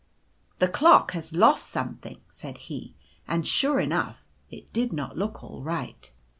u The clock has lost something," said he, and sure enough it did not look all right.